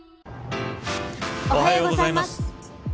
おはようございます。